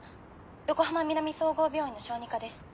横浜南総合病院の小児科です。